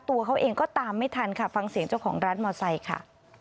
ตัวเขาเองก็ตามไม่ทันค่ะฟังเสียงเจ้าของร้านมอไซค์ค่ะ